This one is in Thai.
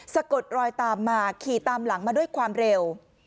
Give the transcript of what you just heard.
กดรอยตามมาขี่ตามหลังมาด้วยความเร็ว